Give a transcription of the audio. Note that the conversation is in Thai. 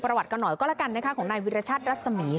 ประวัติกันหน่อยก็แล้วกันนะค่ะ